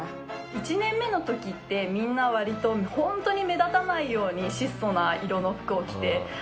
１年目の時ってみんな割とホントに目立たないように質素な色の服を着て歩いて。